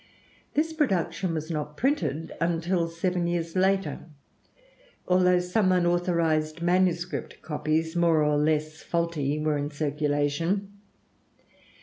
This production was not printed until seven years later, although some unauthorized manuscript copies, more or less faulty, were in circulation.